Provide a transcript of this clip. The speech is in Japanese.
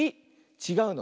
ちがうの。